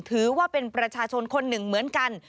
ถือว่าเป็นประชาชนคนหนึ่งเหมือนกัน